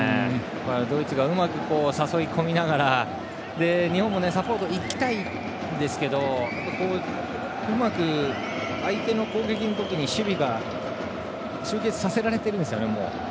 ドイツがうまく誘い込みながら日本もサポートに行きたいんですがうまく相手の攻撃のときに守備が集結させられていて。